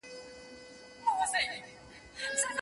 هغه بل د پیر په نوم وهي جېبونه